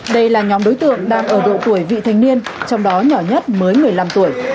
đây là nhóm đối tượng đang ở độ tuổi vị thành niên trong đó nhỏ nhất mới một mươi năm tuổi